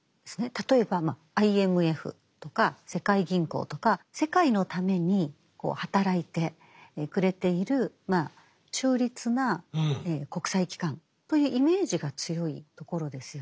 例えばＩＭＦとか世界銀行とか世界のために働いてくれている中立な国際機関というイメージが強いところですよね。